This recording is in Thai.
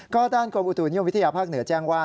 ก็ด้านกรมอุตุนิยมวิทยาภาคเหนือแจ้งว่า